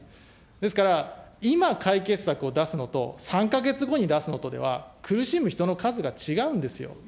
ですから、今、解決策を出すのと、３か月後に出すのとでは、苦しむ人の数が違うんですよ。